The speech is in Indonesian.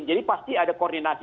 jadi pasti ada koordinasi